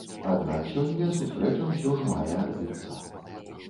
Аднак сёння сустрэча ўсё ж мае адбыцца.